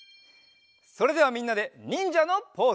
それではみんなでにんじゃのポーズ。